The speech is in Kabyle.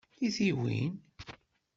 I tiwin?